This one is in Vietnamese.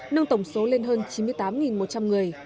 nâng tổng số lên hơn chín mươi tám một trăm linh người